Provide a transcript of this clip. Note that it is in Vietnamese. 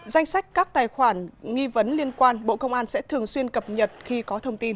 danh sách các tài khoản nghi vấn liên quan bộ công an sẽ thường xuyên cập nhật khi có thông tin